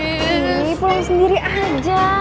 ini pulang sendiri aja